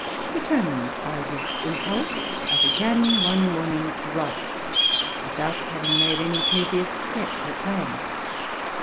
Determined by this impulse, I began one morning to write, without haying made any previous sketch or plan.